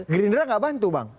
gerinda nggak bantu bang